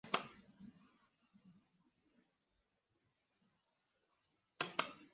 Esto incluye el pago puntual de sueldos, retenciones de impuestos, y deducciones.